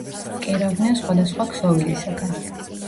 კერავდნენ სხვადასხვა ქსოვილისაგან.